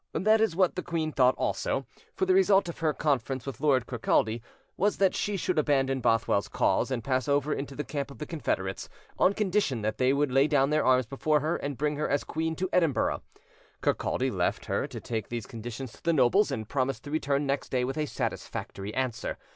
That is what the queen thought also; for the result of her conference with Lord Kirkcaldy was that she should abandon Bothwell's cause, and pass over into the camp of the Confederates, on condition that they would lay down their arms before her and bring her as queen to Edinburgh. Kirkcaldy left her to take these conditions to the nobles, and promised to return next day with a satisfactory answer.